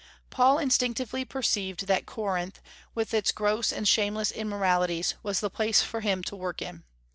Paul instinctively perceived that Corinth, with its gross and shameless immoralities, was the place for him to work in.